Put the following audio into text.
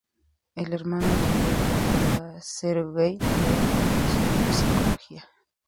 El hermano mayor de Olga, Sergey, era profesor de psicología.